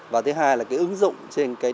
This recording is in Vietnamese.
và thứ hai là ứng dụng trên điện thoại di động